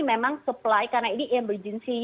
memang supply karena ini emergency